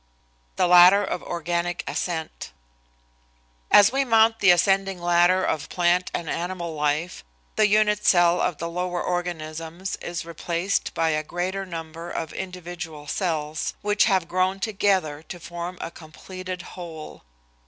THE LADDER OF ORGANIC ASCENT As we mount the ascending ladder of plant and animal life the unit cell of the lower organisms is replaced by a great number of individual cells, which have grown together to form a completed whole.